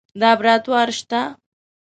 لابراتوار شته؟